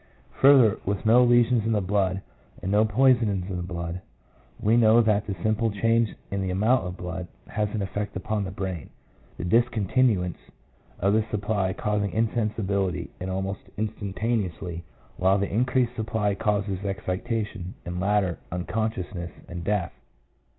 Further, with no lesions in the vessels and no poison in the blood, we know that the simple change in the amount of blood has an effect upon the brain, the discontinuance of the supply causing insensibility almost instantaneously, while the increased supply causes excitation, and, later, unconsciousness and death.